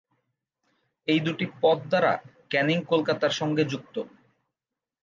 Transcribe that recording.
এই দুটি পথ দ্বারা ক্যানিং কলকাতার সঙ্গে যুক্ত।